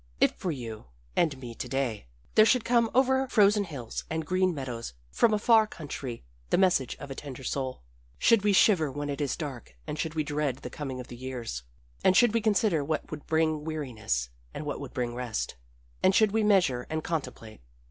"If for you and me to day there should come over frozen hills and green meadows from a far country the message of a tender soul, should we shiver when it is dark and should we dread the coming of the years, and should we consider what would bring weariness and what would bring rest, and should we measure and contemplate?